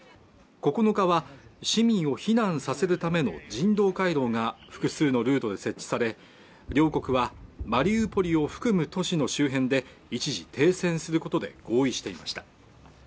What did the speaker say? ９日は市民を避難させるための人道回廊が複数のルートで設置され両国はマリウポリを含む都市の周辺で一時停戦することで合意していました